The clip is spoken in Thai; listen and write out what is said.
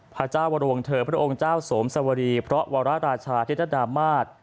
พระเจ้าวรวงเธอพระองค์เจ้าสวมสวรีพระวรราชาเทศดามาศ